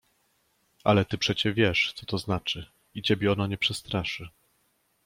Ale ty przecie wiesz, co to znaczy — i ciebie ono nie przestraszy.